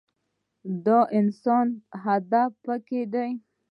د انسان پۀ هدف پکار دے -